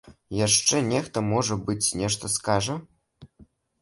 Яшчэ нехта, можа быць, нешта скажа.